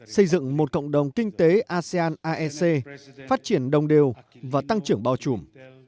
xây dựng một cộng đồng kinh tế asean aec phát triển đồng đều và tăng trưởng bao trùm